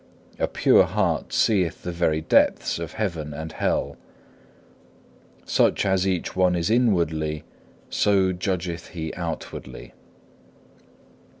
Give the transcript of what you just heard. A pure heart seeth the very depths of heaven and hell. Such as each one is inwardly, so judgeth he outwardly.